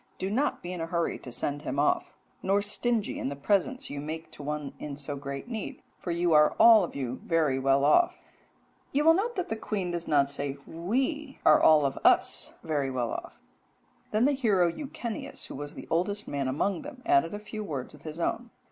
Do not be in a hurry to send him off, nor stingy in the presents you make to one in so great need; for you are all of you very well off.'" You will note that the queen does not say "we are all of us very well off." "Then the hero Echeneus, who was the oldest man among them, added a few words of his own.